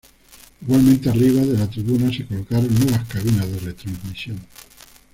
Igualmente arriba de la tribuna se colocaron nuevas cabinas de retransmisión.